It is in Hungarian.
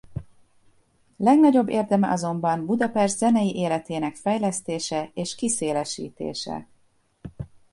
Legnagyobb érdeme azonban Budapest zenei életének fejlesztése és kiszélesítése.